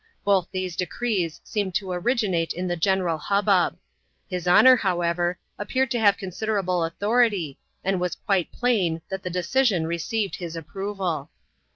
Both these decrees seemed to originate in the general hubbub. His Honour, however, ap peared to have considerable authority, and it was quite plain that the decision received his approval.